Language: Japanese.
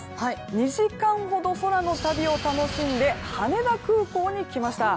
２時間ほど空の旅を楽しんで羽田空港に来ました。